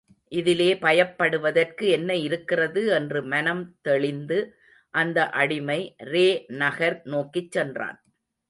இதிலே பயப்படுவதற்கு என்ன இருக்கிறது என்று மனம் தெளிந்து அந்த அடிமை ரே நகர் நோக்கிச் சென்றான்.